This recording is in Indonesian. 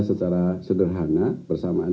secara sederhana bersamaan